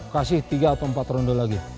kasih tiga atau empat ronde lagi